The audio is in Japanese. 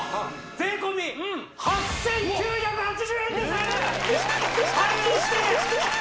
税込８９８０円です！えっ！？